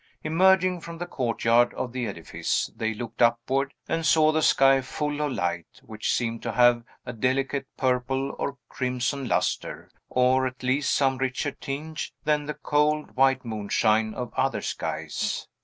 Emerging from the courtyard of the edifice, they looked upward and saw the sky full of light, which seemed to have a delicate purple or crimson lustre, or, at least some richer tinge than the cold, white moonshine of other skies.